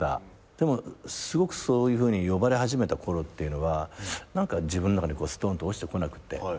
でもそういうふうに呼ばれ始めたころっていうのは自分の中にストンと落ちてこなくて。